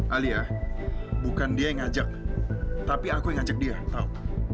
alia bukan dia yang ngajak tapi aku yang ngajak dia tau